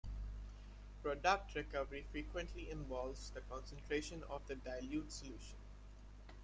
Product recovery frequently involves the concentration of the dilute solution.